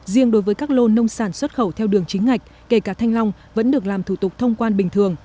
riêng đối với các lô nông sản xuất khẩu theo đường chính ngạch kể cả thanh long vẫn được làm thủ tục thông quan bình thường